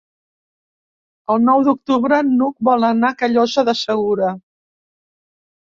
El nou d'octubre n'Hug vol anar a Callosa de Segura.